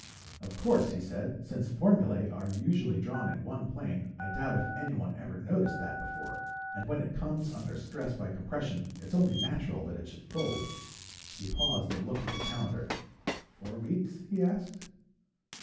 "Of course," he said. "Since formulae are usually drawn in one plane, I doubt if anyone ever noticed that before. And when it comes under stress by compression, it's only natural that it should fold." He paused and looked at the calendar, "Four weeks?" he asked.